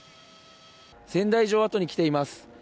仙台城跡に来ています。